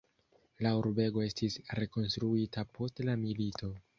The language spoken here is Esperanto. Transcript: La urbego estis rekonstruita post la milito.